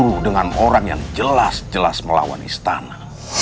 bertemu dengan orang yang jelas jelas melawan istana